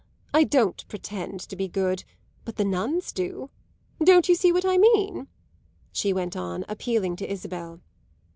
I don't pretend to be good, but the nuns do. Don't you see what I mean?" she went on, appealing to Isabel.